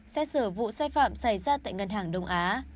xét xử vụ sai phạm xảy ra tại ngân hàng đông á